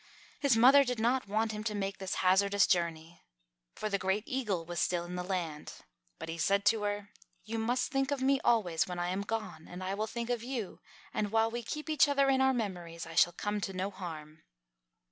His mother did not want him to make this hazardous journey, for the Great Eagle was still in the land. But he said to her, "You must think of me always when I am gone, and I will think of you, and while we keep each other in our memories I shall come to no harm."